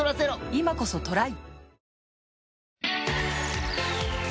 今こそトライ！